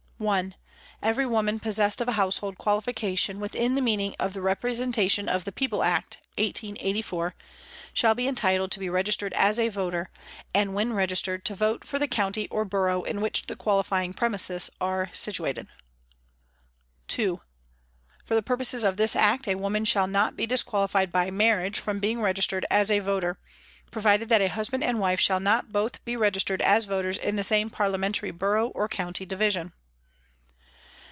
" 1. Every woman possessed of a household qualification within the meaning of the Representa tion of the People Act (1884) shall be entitled to be registered as a voter, and when registered to vote for the county or borough in which the qualifying premises are situated. " 2. For the purposes of this Act a woman shall not be disqualified by marriage from being registered as a voter, provided that a husband and wife shall not both be registered as voters in the same Parlia mentary borough or county division."